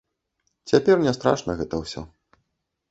Цяпер не страшна гэта ўсё.